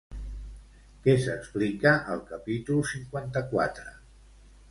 Què s'explica al capítol cinquanta-quatre?